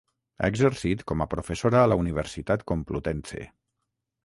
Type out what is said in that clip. Ha exercit com a professora a la Universitat Complutense.